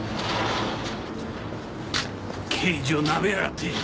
刑事をなめやがって。